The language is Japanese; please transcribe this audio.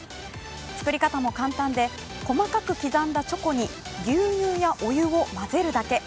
作り方も簡単で、細かく刻んだチョコに牛乳やお湯を混ぜるだけ。